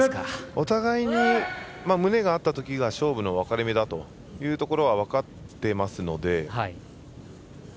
お互いに胸があったときが勝負の分かれ目だというのは分かってますので。